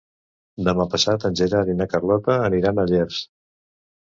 Demà passat en Gerard i na Carlota aniran a Llers.